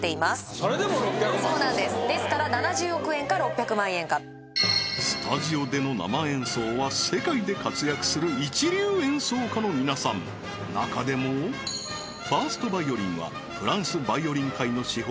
それでも６００万ですそうなんですですから７０億円か６００万円かスタジオでの生演奏は世界で活躍する一流演奏家の皆さん中でもファーストヴァイオリンはフランスヴァイオリン界の至宝